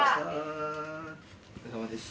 お疲れさまでした。